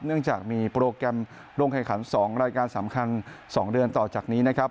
เนื่องจากมีโปรแกรมลงแข่งขัน๒รายการสำคัญ๒เดือนต่อจากนี้นะครับ